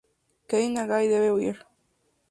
Kei Nagai debe huir...